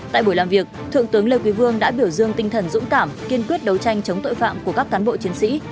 tại buổi làm việc thượng tướng lê quý vương đã biểu dương tinh thần dũng cảm kiên quyết đấu tranh chống tội phạm của các cán bộ chiến sĩ